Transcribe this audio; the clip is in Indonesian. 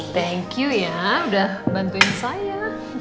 thank you ya udah bantuin saya